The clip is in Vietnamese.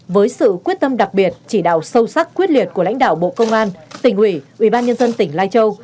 với sự quyết tâm đặc biệt chỉ đạo sâu sắc quyết liệt của lãnh đạo bộ công an tỉnh ủy ubnd tỉnh lai châu